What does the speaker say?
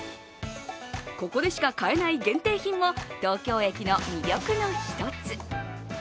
ここでしか買えない限定品も東京駅の魅力の一つ。